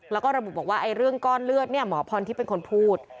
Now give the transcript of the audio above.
แล้วก็ระบุบอกว่าเรื่องก้อนเลือดหมอพรทิพย์เป็นคนพูด